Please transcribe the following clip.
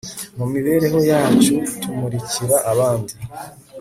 mu mibereho yacu tumurikira abandi